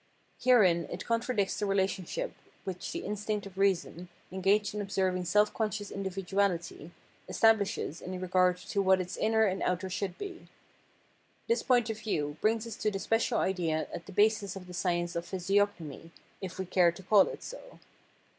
Herein it contradicts the relationship which the instinct of reason, engaged in observing self conscious individuahty, establishes in regard to what its inner and outer should be. This point of view brings us to the special idea at the basis of the science of physiognomy — if we care to call it so.